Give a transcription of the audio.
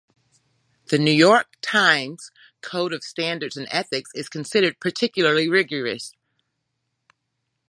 The "New York Times" code of standards and ethics is considered particularly rigorous.